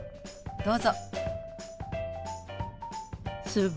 どうぞ。